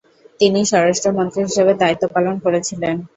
তিনি স্বরাষ্ট্রমন্ত্রী হিসেবে দায়িত্বপালন করেছিলেন।